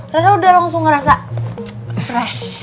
mereka udah langsung ngerasa fresh